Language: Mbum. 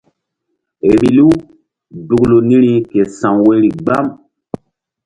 Vbilu duklu niri ke sa̧w woyri gbam.